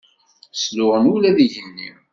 Sluɣen ula d igenni.